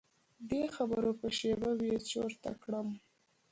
دې خبرو به شیبه بې چرته کړم.